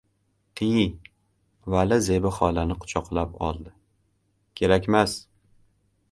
— Qyi! — Vali Zebi xolani quchoqlab oldi. — Kerakmas!